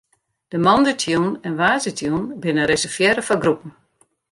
De moandeitejûn en woansdeitejûn binne reservearre foar groepen.